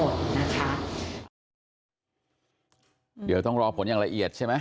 เดี๋ยวต้องรอผลอย่างละเอียดใช่ไหม